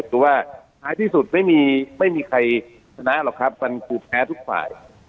สูตรถึงไม่มีใครสนะพลังกลูกแพ้ทุกฝ่าย